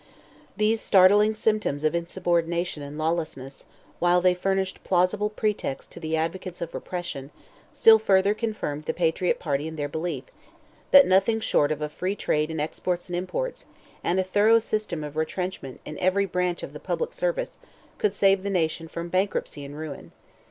These startling symptoms of insubordination and lawlessness, while they furnished plausible pretexts to the advocates of repression, still further confirmed the Patriot party in their belief, that, nothing short of a free trade in exports and imports, and a thorough system of retrenchment in every branch of the public service, could save the nation from bankruptcy and ruin.